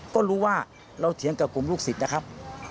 ก็รู้ว่าเราเถียงกับกลุ่มลูกศิษย์นะครับ